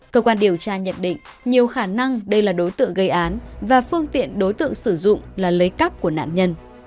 cơ quan điều tra nhận định nhiều khả năng đây là đối tượng gây án và phương tiện đối tượng sử dụng là lấy cắp của nạn nhân